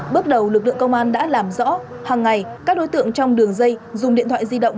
bước đầu lực lượng công an đã làm rõ hàng ngày các đối tượng trong đường dây dùng điện thoại di động